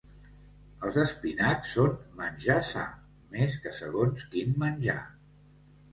Els espinacs són menjar sa, més que segons quin menjar.